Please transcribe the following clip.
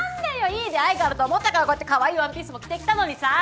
良い出会いがあると思ったからこうやって可愛いワンピースも着てきたのにさ。